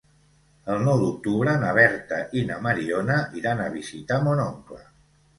El nou d'octubre na Berta i na Mariona iran a visitar mon oncle.